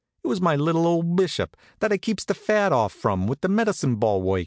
It was my little old Bishop, that I keeps the fat off from with the medicine ball work.